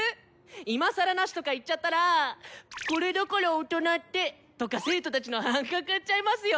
今更ナシとか言っちゃったら「これだから大人って」とか生徒たちの反感買っちゃいますよ。